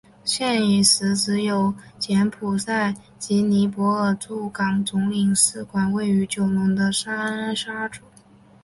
现时只有柬埔寨及尼泊尔驻港总领事馆位于九龙的尖沙咀。